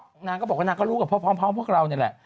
พวกนางก็บอกว่านางก็รู้กับพ่อครบคราวเนียแหละ